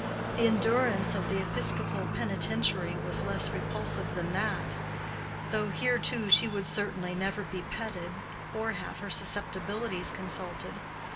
The endurance of the episcopal penitentiary was less repulsive than that; though here too she would certainly never be petted or have her susceptibilities consulted.